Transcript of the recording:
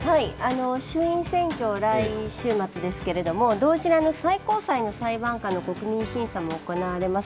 衆議院選挙来週末ですけれども、同時に最高裁の裁判官の国民審査も行われます。